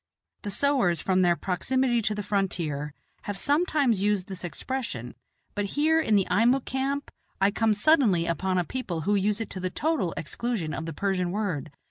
The sowars, from their proximity to the frontier, have sometimes used this expression, but here, in the Eimuck camp, I come suddenly upon a people who use it to the total exclusion of the Persian word.